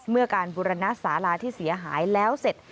เมื่อการบุรณสาราที่เสียหายแล้วเสร็จ